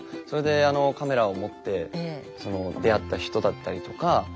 それでカメラを持ってその出会った人だったりとか。